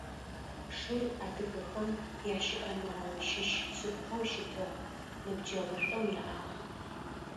Шыр адыгэхэм ящыӏэныгъэ щыщ шъыпкъэу щытыгъ, ныбджэгъушӏоу яӏагъ.